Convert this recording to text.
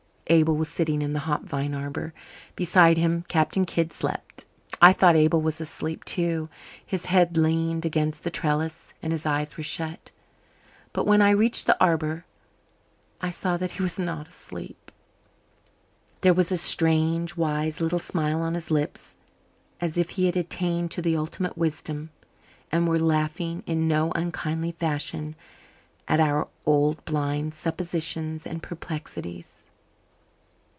Abel was sitting in the hop vine arbour; beside him Captain Kidd slept. I thought Abel was asleep, too; his head leaned against the trellis and his eyes were shut. But when I reached the arbour I saw that he was not asleep. There was a strange, wise little smile on his lips as if he had attained to the ultimate wisdom and were laughing in no unkindly fashion at our old blind suppositions and perplexities.